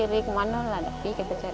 kami ibu aja yang banyak banyak sabar